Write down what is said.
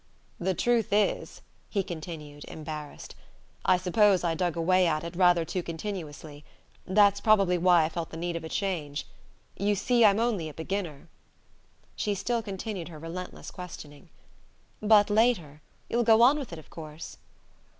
"The truth is," he continued, embarrassed, "I suppose I dug away at it rather too continuously; that's probably why I felt the need of a change. You see I'm only a beginner." She still continued her relentless questioning. "But later you'll go on with it, of course?"